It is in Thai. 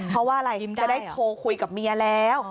เพราะว่าอะไรจะได้โทรคุยกับเมียแล้ว